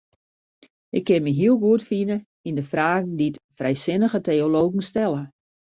Ik kin my heel goed fine yn de fragen dy't frijsinnige teologen stelle.